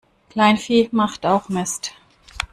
Kleinvieh macht auch Mist.